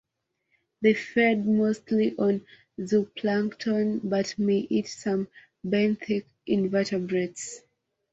They feed mostly on zooplankton but may eat some benthic invertebrates.